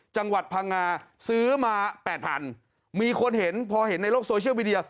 จังหวัดพังงาซื้อมาแปดพันมีคนเห็นพอเห็นในโลกโซเชียลมีเดีย